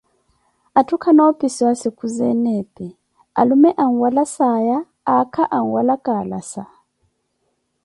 atthu kannoopissiwa sikizeene epi, alume anwala saaya, aakha anwala kaalasa.